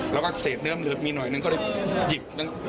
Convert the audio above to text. แล้วก็เศษเนื้อมีหน่อยนึงก็เลยหยิบ